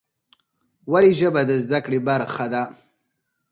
ولې ژبه د زده کړې برخه ده؟